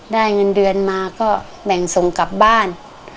ได้เงินเดือนมาก็แบ่งส่งกลับบ้าน